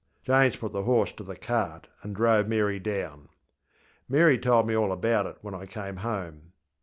ŌĆÖ James put the horse to the cart and drove Mary down. Mary told me all about it when I came home.